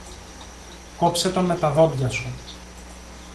Κόψε τον με τα δόντια σου.